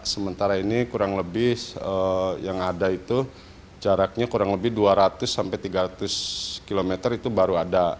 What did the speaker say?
sementara ini kurang lebih yang ada itu jaraknya kurang lebih dua ratus sampai tiga ratus km itu baru ada